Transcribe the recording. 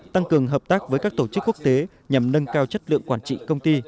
tăng cường hợp tác với các tổ chức quốc tế nhằm nâng cao chất lượng quản trị công ty